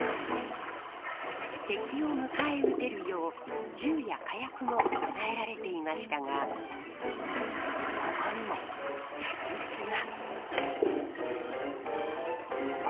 敵を迎え撃てるよう銃や火薬も備えられていましたがここにも秘密が。